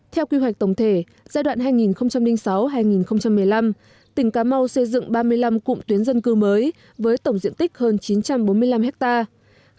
theo quy hoạch tổng thể giai đoạn hai nghìn sáu hai nghìn một mươi năm tỉnh cà mau xây dựng ba mươi năm cụm tuyến dân cư mới với tổng diện tích hơn chín trăm bốn mươi năm hectare